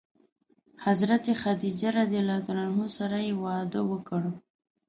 حضرت خدیجه رض سره یې واده وکړ.